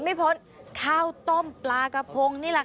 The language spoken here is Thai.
ไม่พ้นข้าวต้มปลากระพงนี่แหละค่ะ